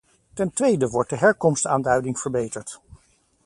Ten tweede wordt de herkomstaanduiding verbeterd.